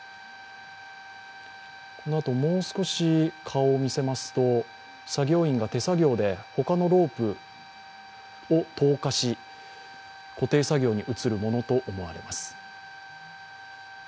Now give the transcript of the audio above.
このあと、もう少し顔を見せますと作業員が手作業で他のロープを投下し固定作業に移るものと思われます。